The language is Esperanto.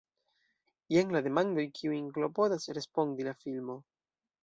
Jen la demandoj kiujn klopodas respondi la filmo.